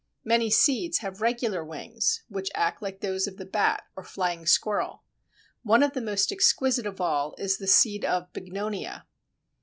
Many seeds have regular wings which act like those of the bat or flying squirrel. One of the most exquisite of all is the seed of Bignonia.